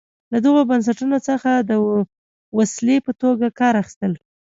له دغو بنسټونو څخه د وسیلې په توګه کار اخیست.